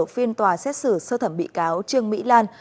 phiên tòa xét xử sơ thẩm bị cáo trương mỹ lan